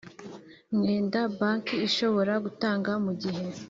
Mwenda banki ishobora gutanga mu gihe